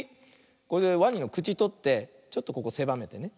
これでワニのくちとってちょっとここせばめてね